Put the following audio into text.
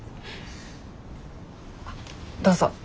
あっどうぞ。